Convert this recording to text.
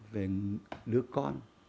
về đứa con